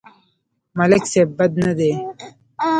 ملک صيب بد نه دی.